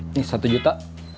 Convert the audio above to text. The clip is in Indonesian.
ini satu juta